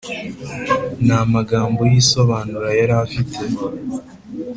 Nta magambo yisobanura yari afite